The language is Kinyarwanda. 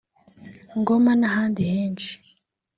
Ngoma n’ahandi henshi